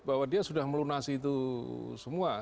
bahwa dia sudah melunasi itu semua